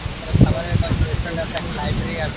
বন্ধুদের অনেককেই তো বিবাহ করিতে দেখিলাম।